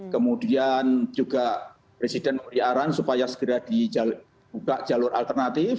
kemudian juga presiden memberi arahan supaya segera dibuka jalur alternatif